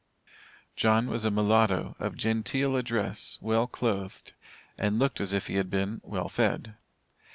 John was a mulatto, of genteel address, well clothed, and looked as if he had been "well fed."